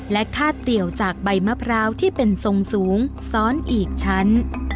และคาดเตี๋ยวจากใบมะพร้าวที่เป็นทรงสูงซ้อนอีกชั้น